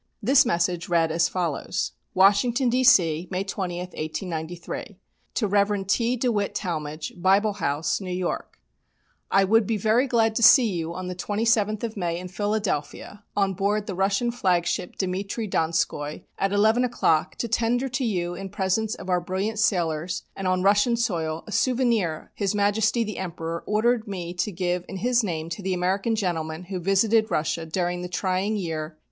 This message read as follows: "Washington, D.C., May 20, 1893. "To Rev. T. DeWitt Talmage, Bible House, New York. "I would be very glad to see you on the 27th of May in Philadelphia on board the Russian flagship 'Dimitry Donskoy' at eleven o'clock, to tender to you in presence of our brilliant sailors and on Russian soil, a souvenir His Majesty the Emperor ordered me to give in his name to the American gentleman who visited Russia during the trying year 1892.